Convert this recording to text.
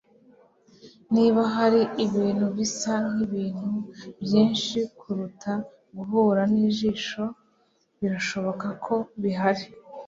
Niba hari ibintu bisa nkibintu byinshi kuruta guhura nijisho, birashoboka ko bihari